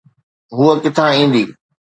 هوءَ ڪٿان ايندي؟